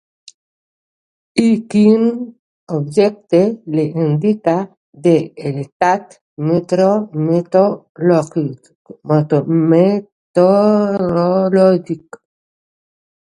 I quin objecte l'indica de l'estat meteorològic?